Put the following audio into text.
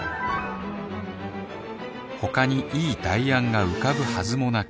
他に良い代案が浮かぶはずもなく